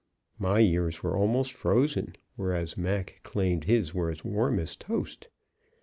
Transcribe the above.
My ears were almost frozen; whereas Mac claimed his were as warm as toast.